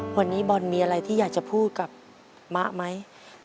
วันนี้บอลมีอะไรที่อยากจะพูดกับมะไหม